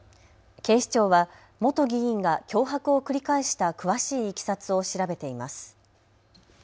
警視庁は元議員が脅迫を繰り返した詳しいいきさつを調べています。